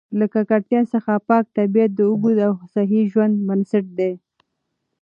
له ککړتیا څخه پاک طبیعت د اوږده او صحي ژوند بنسټ دی.